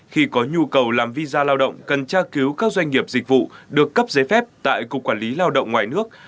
khi có nhu cầu làm visa lao động cần tra cứu các doanh nghiệp dịch vụ được cấp giấy phép tại cục quản lý lao động ngoài nước